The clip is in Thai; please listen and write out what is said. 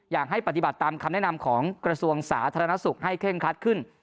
อยากให้ปฏิบัติตามคำแนะนำของกระทรวงสาธารณสุขให้เคร่งครัดขึ้น